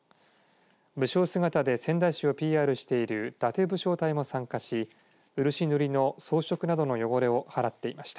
武将姿で仙台市をＰＲしている伊達武将隊も参加し漆塗りの装飾などの汚れを払っていました。